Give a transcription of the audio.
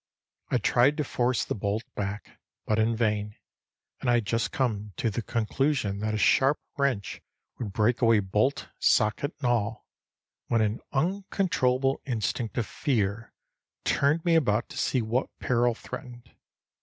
I tried to force the bolt back, but in vain; and I had just come to the conclusion that a sharp wrench would break away bolt, socket, and all, when an uncontrollable instinct of fear turned me about to see what peril threatened.